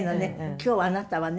今日はあなたはね